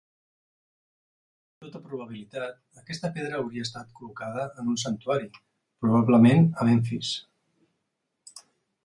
Amb tota probabilitat, aquesta pedra hauria estat col·locada en un santuari, probablement a Memfis.